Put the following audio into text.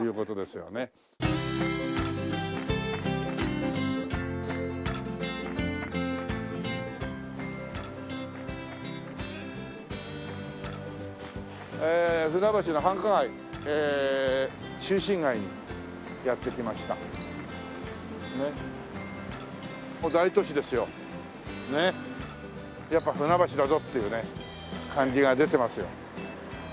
やっぱり船橋だぞっていうね感じが出てますよ。